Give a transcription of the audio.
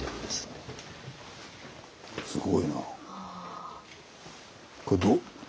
すごいな。